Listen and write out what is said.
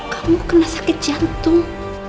kamu kena sakit jantung